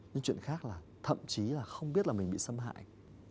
những chuyện khác là thậm chí là không biết là mình bị xâm hại